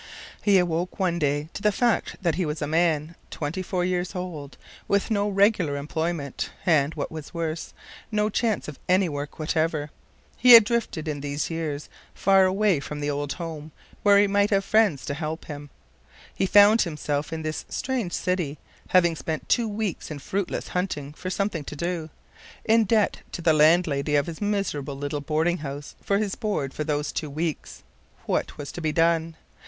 He awoke one day to the fact that he was a man, twenty four years old, with no regular employment, and, what was worse, no chance of any work whatever. He had drifted in these years far away from the old home, where he might have had friends to help him. He found himself in this strange city, having spent two weeks in fruitless hunting for something to do; in debt to the landlady of his miserable little boarding house for his board for those two weeks. What was to be done?